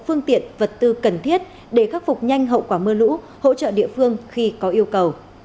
phương tiện vật tư cần thiết để khắc phục nhanh hậu quả mưa lũ hỗ trợ địa phương khi có yêu cầu